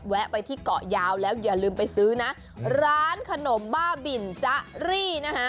ไปที่เกาะยาวแล้วอย่าลืมไปซื้อนะร้านขนมบ้าบินจ๊ะรี่นะคะ